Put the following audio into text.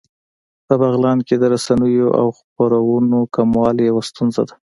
په بغلان کې د رسنیو او خپرونو کموالی يوه ستونزه ده